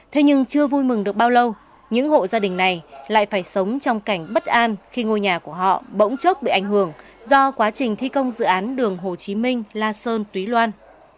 thế nhưng chưa vui mừng được bao lâu những hộ gia đình này lại phải sống trong cảnh bất an khi ngôi nhà của họ bỗng chốc bị ảnh hưởng do quá trình thi công dự án đường hồ chí minh la sơn túy loan